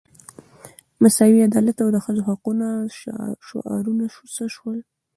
مساوي عدالت او د ښځو حقوقو شعارونه څه شول.